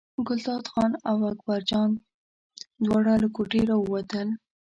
ګلداد خان او اکبرجان دواړه له کوټې راووتل.